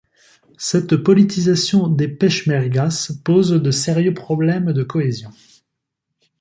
Cette politisation des peshmergas pose de sérieux problèmes de cohésion.